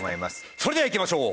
それではいきましょう。